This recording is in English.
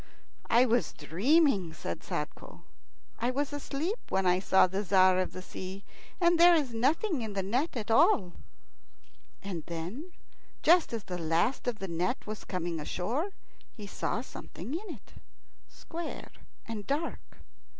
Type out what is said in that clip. "I was dreaming," said Sadko; "I was asleep when I saw the Tzar of the Sea, and there is nothing in the net at all." And then, just as the last of the net was coming ashore, he saw something in it, square and dark.